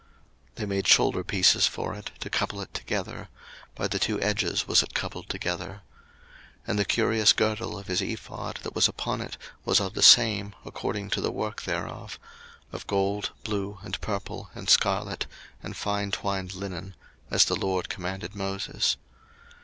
02:039:004 They made shoulderpieces for it, to couple it together: by the two edges was it coupled together. 02:039:005 And the curious girdle of his ephod, that was upon it, was of the same, according to the work thereof; of gold, blue, and purple, and scarlet, and fine twined linen; as the LORD commanded Moses.